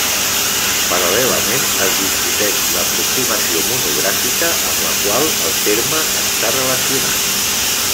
Paral·lelament, es discuteix l'aproximació monogràfica amb la qual el terme està relacionat.